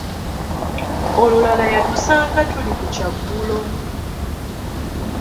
Olulala yatusanga tuli ku kyaggulo.